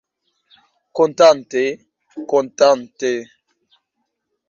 Kontante, kontante.